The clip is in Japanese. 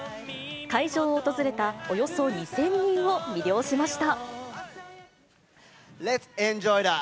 会場を訪れたおよそ２０００人を魅了しました。